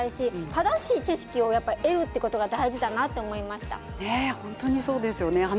正しい知識を得ることが大事だなと思いました。